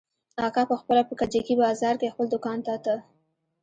اکا پخپله په کجکي بازار کښې خپل دوکان ته ته.